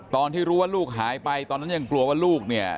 ตอนที่รู้ว่าลูกหายไปตอนนั้นยังกลัวว่าลูกเนี่ย